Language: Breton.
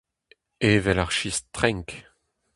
Evel ar sistr trenk.